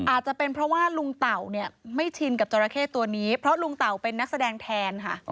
อาจจะเป็นเพราะว่าลุงเต่าเนี่ยไม่ชินกับจราเข้ตัวนี้เพราะลุงเต่าเป็นนักแสดงแทนค่ะ